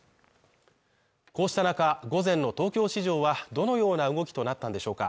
こうした中、午前の東京市場はどのような動きとなったんでしょうか